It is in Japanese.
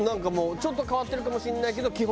もうちょっと変わってるかもしれないけど